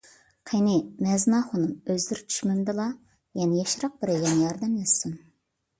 قېنى، مەزىن ئاخۇنۇم، ئۆزلىرى چۈشمەمدىلا، يەنە ياشراق بىرەيلەن ياردەملەشسۇن.